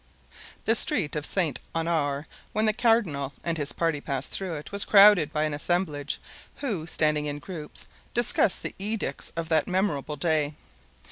The street of Saint Honore, when the cardinal and his party passed through it, was crowded by an assemblage who, standing in groups, discussed the edicts of that memorable day.